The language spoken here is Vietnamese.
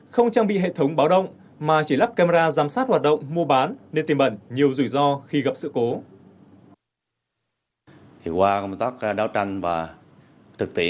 không trang bị hệ thống báo động mà chỉ lắp camera giám sát